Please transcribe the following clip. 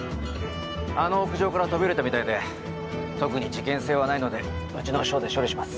あの屋上から飛び降りたみたいで特に事件性はないのでうちの署で処理します。